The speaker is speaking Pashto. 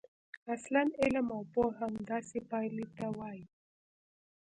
اصلاً علم او پوهه همداسې پایلې ته وايي.